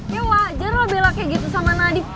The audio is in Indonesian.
ya wajar lo bela kayak gitu sama nadif